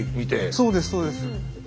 そうですそうです。